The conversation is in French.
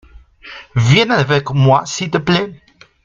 viens avec moi s'il te plait.